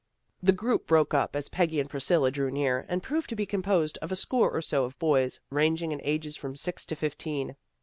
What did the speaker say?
The group broke up as Peggy and Priscilla drew near, and proved to be composed of a score or so of boys, ranging in ages from six to fifteen.